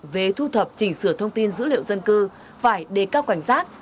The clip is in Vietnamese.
về thu thập chỉnh sửa thông tin dữ liệu dân cư phải đề cao cảnh giác